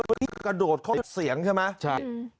เพื่อขดดเข้าเสียงใช่มั้ย